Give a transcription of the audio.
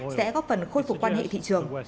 sẽ góp phần khôi phục quan hệ thị trường